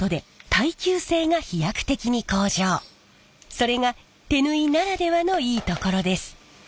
それが手縫いならではのいいところです。